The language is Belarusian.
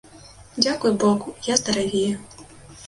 Дзякуй богу, я здаравею.